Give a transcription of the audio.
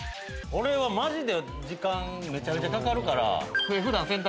あれはマジで時間めちゃくちゃかかるから。